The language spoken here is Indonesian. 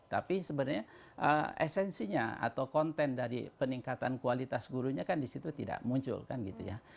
tapi sebenarnya esensinya atau konten dari peningkatan kualitas gurunya kan disitu tidak muncul kan gitu ya